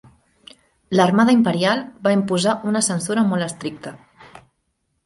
L'Armada Imperial va imposar una censura molt estricta.